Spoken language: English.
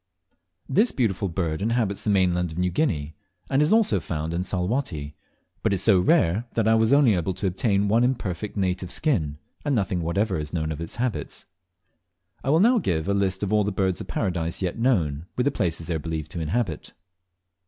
This beautiful bird inhabits the mainland of New Guinea, and is also found in Salwatty, but is so rare that I was only able to obtain one imperfect native skin, and nothing whatever is known of its habits. I will now give a list of all the Birds of Paradise yet known, with the places they are believed to inhabit.